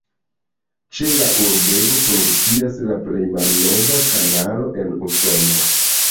Ĉe la urbego funkcias la plej malnova kanalo en Usono.